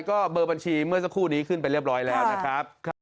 ก็เบอร์บัญชีเมื่อสักครู่นี้ขึ้นไปเรียบร้อยแล้วนะครับ